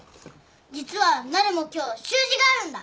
実はなるも今日習字があるんだ。